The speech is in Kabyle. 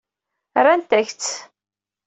Rrant-ak-tt.